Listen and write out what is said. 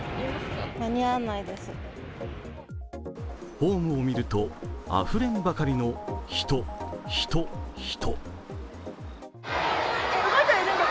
ホームを見ると、あふれんばかりの人、人、人。